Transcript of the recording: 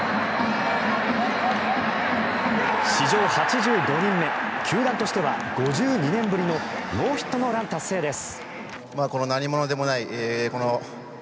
史上８５人目球団としては５２年ぶりのノーヒット・ノーラン達成です。